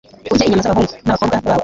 urye inyama z'abahungu n'abakobwa bawe+